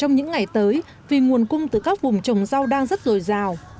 những ngày tới vì nguồn cung từ các vùng trồng rau đang rất rồi rào